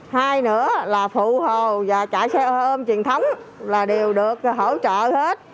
hai nữa là phụ hồ và chạy xe ôm truyền thống là đều được hỗ trợ hết